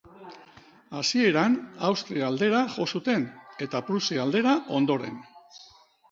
Hasieran Austria aldera jo zuten eta Prusia aldera ondoren.